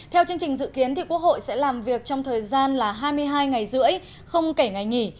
theo chương trình dự kiến quốc hội sẽ làm việc trong thời gian là hai mươi hai ngày rưỡi không kể ngày nghỉ